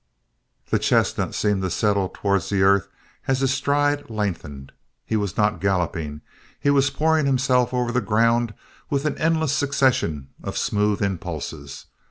The chestnut seemed to settle towards the earth as his stride lengthened. He was not galloping. He was pouring himself over the ground with an endless succession of smooth impulses.